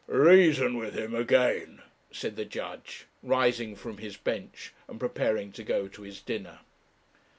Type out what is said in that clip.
'Reason with him again,' said the judge, rising from his bench and preparing to go to his dinner.